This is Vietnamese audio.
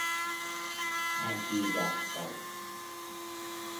A Di Đà Phật